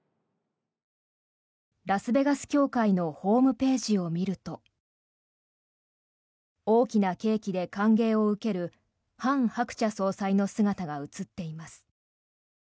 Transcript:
ラスベガス教会のホームページを見ると大きなケーキで歓迎を受けるハン・ハクチャ総裁の姿が写っています。